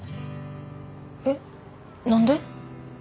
えっ何で？